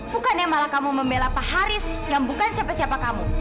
bukannya malah kamu membela pak haris yang bukan siapa siapa kamu